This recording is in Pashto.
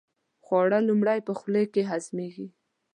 خواړه لومړی په خولې کې هضمېږي.